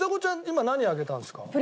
今何挙げたんですか？